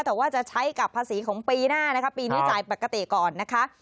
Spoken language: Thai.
แต่ว่าจะใช้กับภาษีของปีหน้านะคะปีนี้จ่ายปกติก่อนนะคะ